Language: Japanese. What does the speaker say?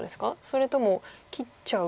それとも切っちゃう。